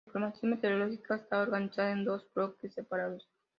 La información meteorológica estaba organizada en dos bloques separados.